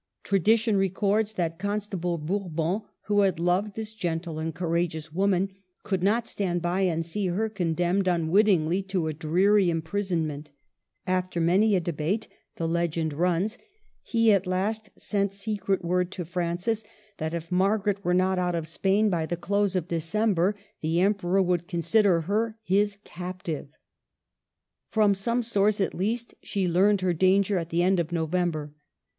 Tradition records that Constable Bourbon, who had loved ^this gentle and courageous woman, could not stand by and see her condemned un witting to a dreary imprisonment. After many a debate, the legend runs, he at last sent secret word to Francis that if Margaret were not out of I06 MARGARET OF ANGOUL^ME. Spain by the close of December, the Emperor would consider her his captive. From some source, at least, she learned her danger at the end of November.